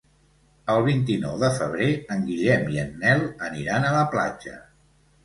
El vint-i-nou de febrer en Guillem i en Nel aniran a la platja.